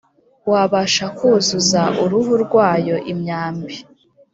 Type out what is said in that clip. wabasha kuzuza uruhu rwayo imyambi .